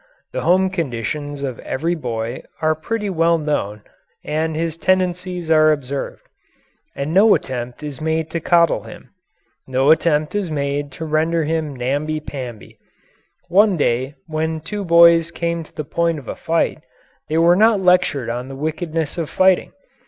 The home conditions of every boy are pretty well known, and his tendencies are observed. And no attempt is made to coddle him. No attempt is made to render him namby pamby. One day when two boys came to the point of a fight, they were not lectured on the wickedness of fighting.